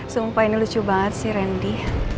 sumpah ini lucu banget sih randy